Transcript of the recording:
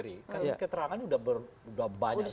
karena keterangan sudah banyak sekali